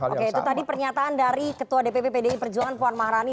oke itu tadi pernyataan dari ketua dpp pdi perjuangan puan maharani